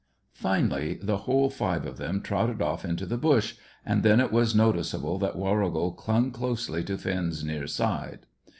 Finally, the whole five of them trotted off into the bush, and then it was noticeable that Warrigal clung closely to Finn's near side.